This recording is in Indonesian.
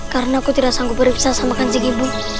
karena aku tidak sanggup berpesa dengan kanjing ibu